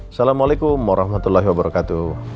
assalamualaikum warahmatullahi wabarakatuh